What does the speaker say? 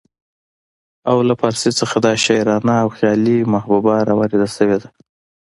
او له پارسۍ نه دا شاعرانه او خيالي محبوبه راوارده شوې ده